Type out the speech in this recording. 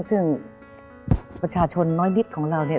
ซึ่งประชาชนน้อยนิดของเราเนี่ย